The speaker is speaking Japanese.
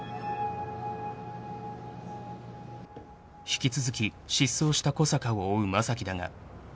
［引き続き失踪した小坂を追う正樹だが］